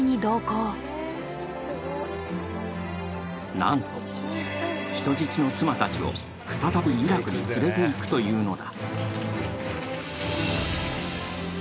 なんと人質の妻たちを再びイラクに連れていくというのだ。